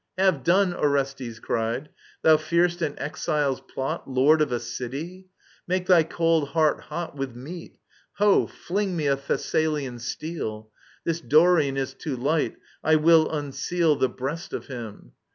Have done 1 Orestes cried : ^^thou fear'st an exile's plot,. Lord of a city ? Make thy cold heart hot With meat. — Ho, fling me a Thessalian steel I This Dorian is too light I will unsesd The breast of him."